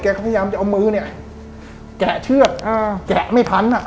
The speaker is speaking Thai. แล้วพี่พยายามจะเอามือแกะเชือกแกะไม่พัน